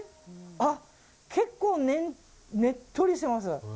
あ、結構ねっとりしてます。